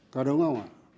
có đúng không ạ